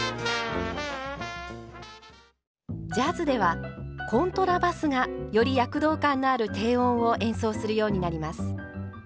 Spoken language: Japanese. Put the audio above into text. ジャズではコントラバスがより躍動感のある低音を演奏するようになります。